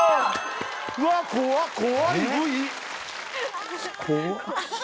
うわっ怖っ怖いＶ。